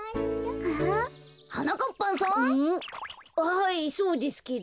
はいそうですけど。